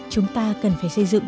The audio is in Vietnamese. chúng ta cần phải xây dựng